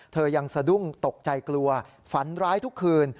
เธอยังสะดุ้งตกใจกลัวฝันร้ายทุกคืน